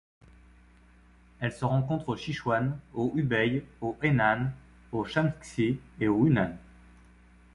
Elle se rencontre au Sichuan, au Hubei, au Henan, au Shaanxi et au Hunan.